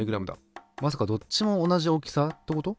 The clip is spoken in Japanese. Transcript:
まさかどっちも同じ大きさってこと？